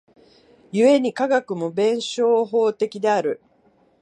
故に科学も弁証法的である。